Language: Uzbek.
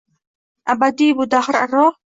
Abadiy bu dahr aro